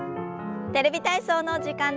「テレビ体操」の時間です。